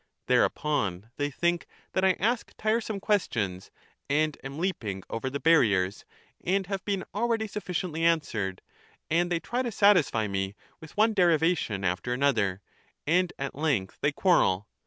Thereupon they think that I ask tiresome questions, and am leaping over the barriers, and have been already sufficiently answered, and they try to satisfy me with one derivation after another, and at length they quarrel.